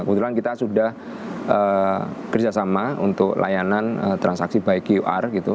kebetulan kita sudah kerjasama untuk layanan transaksi by qr gitu